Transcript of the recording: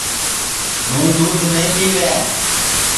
ہُوں دُؔودھ نائی پِیوے